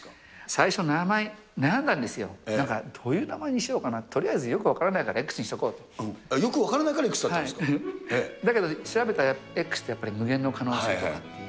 最初、名前、悩んだんですよ、どういう名前にしようかなと、とりあえずよく分からないからＸよく分からないからＸだっただけど調べたら、Ｘってやっぱり無限の可能性があるっていう。